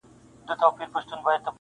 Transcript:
پاچا او ګدا-